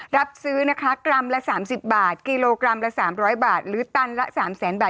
รับซื้อนะคะกรัมละ๓๐บาทกิโลกรัมละ๓๐๐บาทหรือตันละ๓แสนบาท